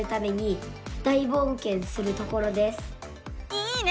いいね！